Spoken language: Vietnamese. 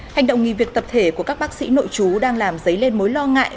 hành động nghỉ việc tập thể của các bác sĩ nội chú đang làm dấy lên mối lo ngại